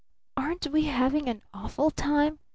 "Aren't we having an awful time?"